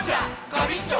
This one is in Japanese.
ガビンチョ！